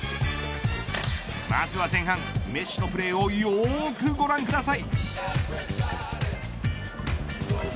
まずは前半、メッシのプレーをよーくご覧ください。